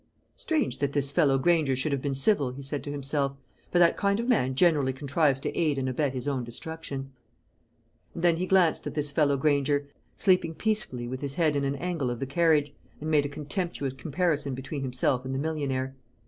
"Strange that this fellow Granger should have been civil," he said to himself. "But that kind of man generally contrives to aid and abet his own destruction." And then he glanced at this fellow Granger, sleeping peacefully with his head in an angle of the carriage, and made a contemptuous comparison between himself and the millionaire.